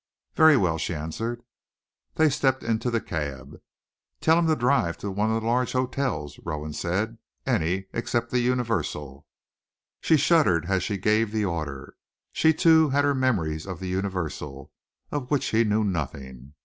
"Very well," she answered. They stepped into the cab. "Tell him to drive to one of the large hotels," Rowan said, "any except the Universal." She shuddered as she gave the order. She, too, had her memories of the Universal, of which he knew nothing.